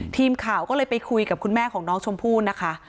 ทีมข่าวก็เลยไปคุยกับคุณแม่ของน้องชมพู่นะคะ